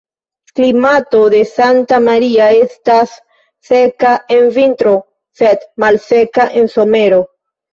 Klimato de Santa Maria estas seka en vintro, sed malseka en somero.